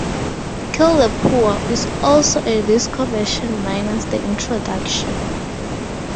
"Kill the Poor" is also a "disco" version minus the introduction.